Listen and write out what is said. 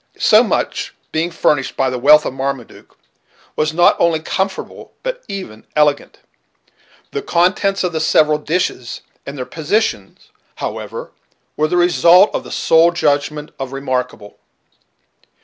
So much, being furnished by the wealth of Marmaduke, was not only comfortable but even elegant. The contents of the several dishes, and their positions, however, were the result of the sole judgment of Remarkable.